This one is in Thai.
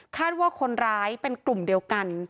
ว่าคนร้ายเป็นกลุ่มเดียวกัน